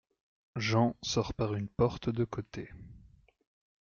Jean sort par une porte de côté.